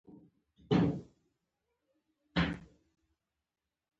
په يوه موضوع کې د هر څه په اړه پوښتنې کوي.